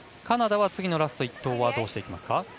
カナダは次のラスト１投はどうしていきますか。